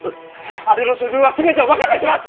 あれの処遇は全てお任せします！